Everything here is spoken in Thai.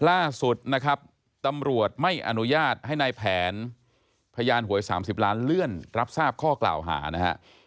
ล่าสุดนะครับตำรวจไม่อนุญาตให้นายแผนพยานหวย๓๐ล้านเลื่อนรับทราบข้อกล่าวหานะฮะ